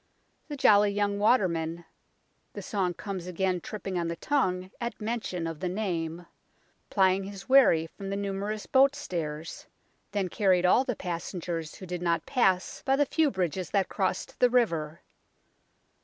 The jolly young waterman the song comes again tripping on the tongue at mention of the name plying his wherry from the numer ous boat stairs, then carried all the passengers who did not pass by the few bridges that crossed the river.